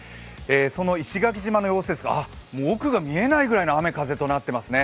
その石垣島の様子ですが、奥が見えないぐらいの雨、風となっていますね。